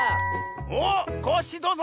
おっコッシーどうぞ！